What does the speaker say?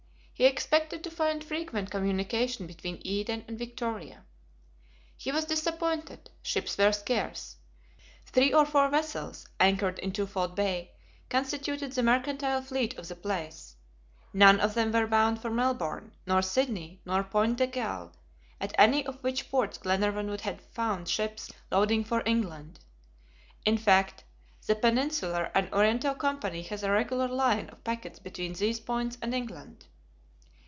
He expected to find frequent communication between Eden and Victoria. He was disappointed; ships were scarce. Three or four vessels, anchored in Twofold Bay, constituted the mercantile fleet of the place; none of them were bound for Melbourne, nor Sydney, nor Point de Galle, at any of which ports Glenarvan would have found ships loading for England. In fact, the Peninsular and Oriental Company has a regular line of packets between these points and England.